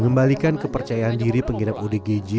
mengembalikan kepercayaan diri pengidap odgj